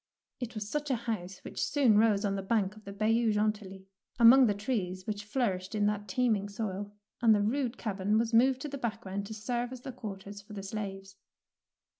It was such a house which soon rose on the bank of the Bayou Grentilly, among the trees which flourished in that teeming soil, and the rude cabin was moved into the background to serve as the quarters for the slaves.